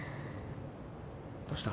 どうした？